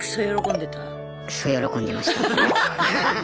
クソ喜んでました。